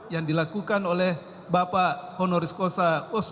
yang dilakukan oleh bapak honoris cosa